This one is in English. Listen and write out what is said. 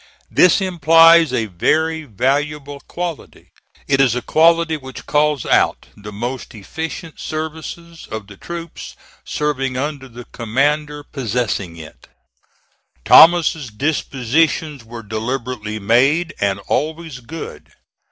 This implies a very valuable quality. It is a quality which calls out the most efficient services of the troops serving under the commander possessing it. Thomas's dispositions were deliberately made, and always good.